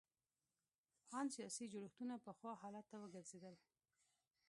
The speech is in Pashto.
ان سیاسي جوړښتونه پخوا حالت ته وګرځېدل.